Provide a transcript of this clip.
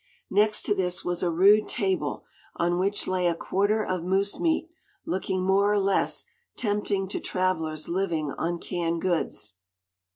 Next to this was a rude table, on which lay a quarter of moose meat, looking more or less tempting to travelers living on canned goods.